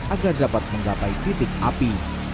agar dapat menggapai titik api